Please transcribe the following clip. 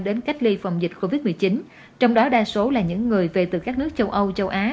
đến cách ly phòng dịch covid một mươi chín trong đó đa số là những người về từ các nước châu âu châu á